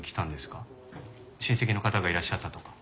親戚の方がいらっしゃったとか？